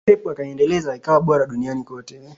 Pep akaiendeleza ikawa bora duniani kote